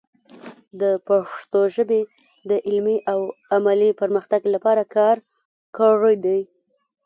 د پښتو ژبې د علمي او عملي پرمختګ لپاره کار کړی دی.